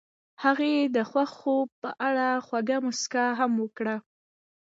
هغې د خوښ خوب په اړه خوږه موسکا هم وکړه.